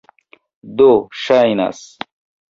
Do, ŝajnas...